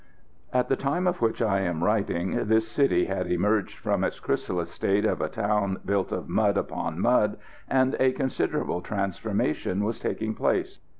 At the time of which I am writing this city had emerged from its chrysalis state of a town built of mud upon mud, and a considerable transformation was taking place.